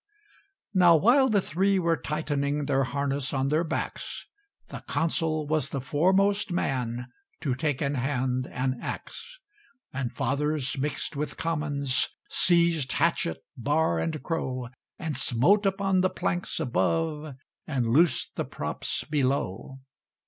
Now while the Three were tightening Their harness on their backs, The Consul was the foremost man To take in hand an axe: And Fathers mixed with Commons Seized hatchet, bar, and crow, And smote upon the planks above, And loosed the props below.